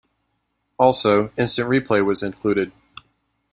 Also, instant replay was included.